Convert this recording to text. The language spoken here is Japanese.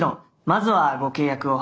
まずはご契約を。